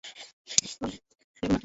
yapo ma tumizi mbalimbali ya viazi lishe